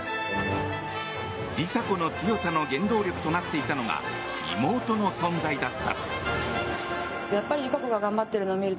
梨紗子の強さの原動力となっていたのが妹の存在だった。